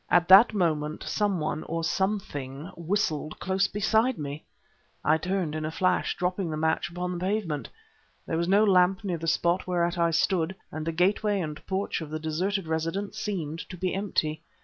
At that moment some one or something whistled close beside me! I turned, in a flash, dropping the match upon the pavement. There was no lamp near the spot whereat I stood, and the gateway and porch of the deserted residence seemed to be empty.